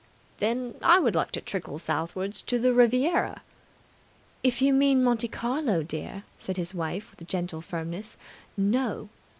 "Then I would like to trickle southwards to the Riviera. .." "If you mean Monte Carlo, dear," said his wife with gentle firmness, "no!"